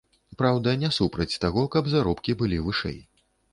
Праўда, не супраць таго, каб заробкі былі вышэй.